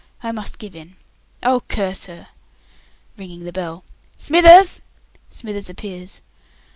I must give in. Oh, curse her! [ringing the bell] Smithers!" [Smithers appears.